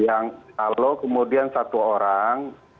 yang kalau kemudian satu orang di direksi perusahaan